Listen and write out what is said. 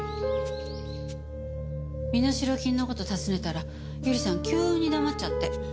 身代金の事尋ねたら由梨さん急に黙っちゃって。